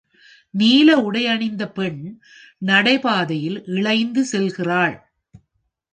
நீல உடையணிந்த பெண் நடைபாதையில் இழைந்து செல்கிறாள்.